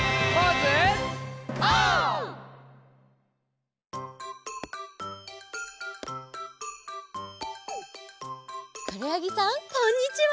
くろやぎさんこんにちは！